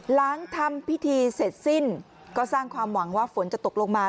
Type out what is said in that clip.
หลังทำพิธีเสร็จสิ้นก็สร้างความหวังว่าฝนจะตกลงมา